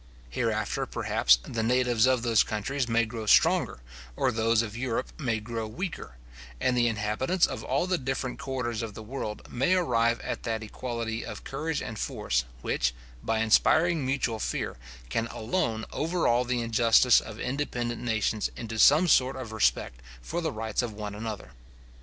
Hereafter, perhaps, the natives of those countries may grow stronger, or those of Europe may grow weaker; and the inhabitants of all the different quarters of the world may arrive at that equality of courage and force which, by inspiring mutual fear, can alone overawe the injustice of independent nations into some sort of respect for the rights of one another.